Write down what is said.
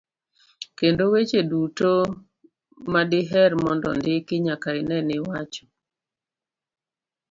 kendo weche duto madiher mondo ondiki nyaka ine ni iwacho.